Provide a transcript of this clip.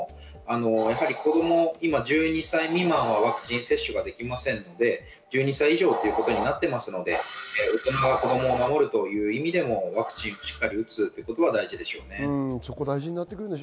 子供が今１２歳未満はワクチン接種ができませんので１２歳以上でということになってますので子供を守るという意味でもワクチンをしっかり打つということは大事です。